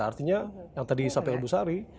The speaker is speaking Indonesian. artinya yang tadi disampaikan bu sari